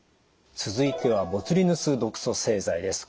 続いてはボツリヌス毒素製剤です。